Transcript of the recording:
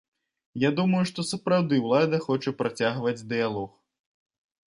Я думаю, што сапраўды ўлада хоча працягваць дыялог.